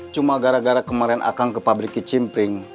cuma gara gara kemarin akang ke pabriki cimping